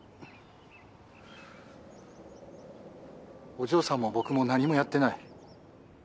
お嬢さんも僕も何もやってない。